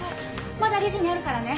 まだレジにあるからね。